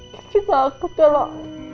gigi takut kalau